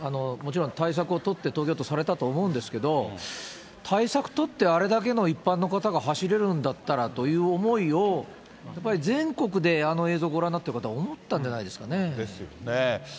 もちろん対策を取って、東京都、されたと思うんですけど、対策取ってあれだけの一般の方が走れるんだったらという思いを、やっぱり全国であの映像ご覧になってる方、思ったんじゃないですですよね。